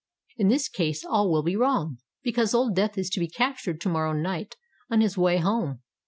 In this case all will be wrong, because Old Death is to be captured to morrow night on his way home.